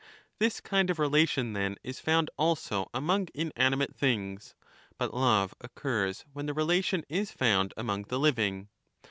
This kind of relation then is found also among,, .^'' inanimate things; but love occurs when the relation 1540 found among the living.